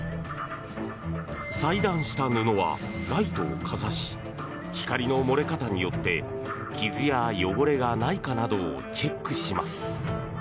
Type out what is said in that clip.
裁断した布はライトをかざし光の漏れ方によって傷や汚れがないかなどをチェックします。